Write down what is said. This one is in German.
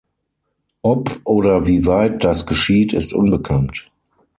Ob oder wieweit das geschieht, ist unbekannt.